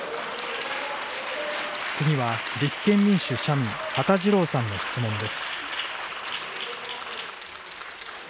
次は立憲民主・社民、羽田次郎さんの質問です。